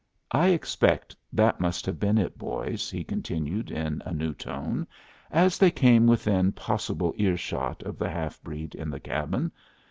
I expect that must have been it, boys," he continued, in a new tone, as they came within possible ear shot of the half breed in the cabin.